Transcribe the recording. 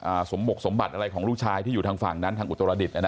สมบกสมบัติอะไรของลูกชายที่อยู่ทางฝั่งนั้นทางอุตรดิษฐ